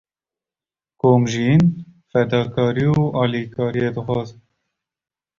Komjiyîn, fedakarî û alîkariyê dixwaze.